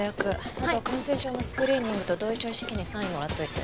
あと感染症のスクリーニングと同意書一式にサインもらっておいて。